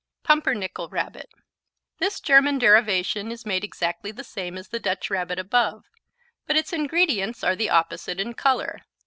Pumpernickel Rabbit This German deviation is made exactly the same as the Dutch Rabbit above, but its ingredients are the opposite in color.